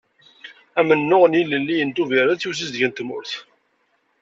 Amennuɣ n yilelliyen n Tubiret i usizdeg n tmurt.